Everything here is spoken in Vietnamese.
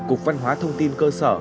cục văn hóa thông tin cơ sở